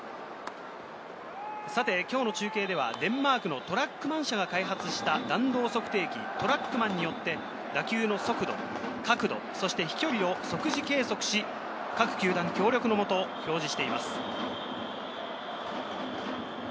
今日の中継ではデンマークのトラックマン社が開発した弾道測定器・トラックマンによって打球の速度、角度、そして飛距離を即時計測し、各球団協力のもと表示しています。